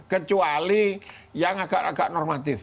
kecuali yang agak agak normatif